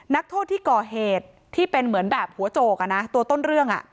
นักโทษที่ก่อเหตุที่เป็นเหมือนแบบหัวโจกอ่ะนะตัวต้นเรื่อง